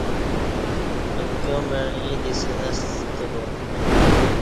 امکیاں مع ییں دی سنہ ستہ با